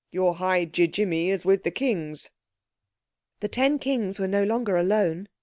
"Your High Ji jimmy is with the Kings." The ten Kings were no longer alone.